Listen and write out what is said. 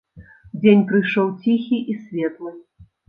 Дзень прыйшоў ціхі і светлы.